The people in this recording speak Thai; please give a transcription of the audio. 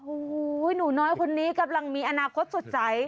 โอ้โหหนูน้อยคนนี้กำลังมีอนาคตสดใส